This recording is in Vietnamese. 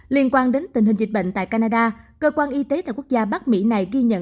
liên quan đến tình hình dịch bệnh tại canada cơ quan y tế tại quốc gia bắc mỹ này ghi nhận